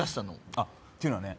あっっていうのはね